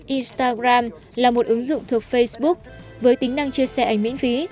instagram là một ứng dụng thuộc facebook với tính năng chia sẻ ảnh miễn phí